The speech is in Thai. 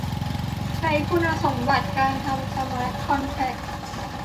ใช้คุณสมบัติการทำสมาร์ทคอนแทร็ก